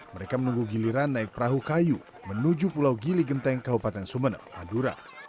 mereka menunggu giliran naik perahu kayu menuju pulau gili genteng kabupaten sumeneb madura